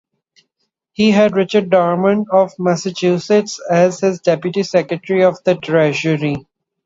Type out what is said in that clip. He had Richard Darman of Massachusetts as his Deputy Secretary of the Treasury.